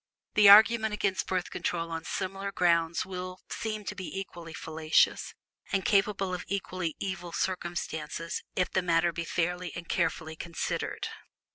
The argument against Birth Control on similar grounds will be seen to be equally fallacious, and capable of equally evil consequences, if the matter be fairly and carefully considered.